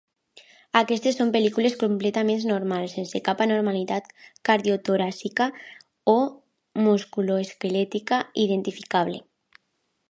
Aquestes són pel·lícules completament normals, sense cap anormalitat cardiotoràcica o musculoesquelètica identificable.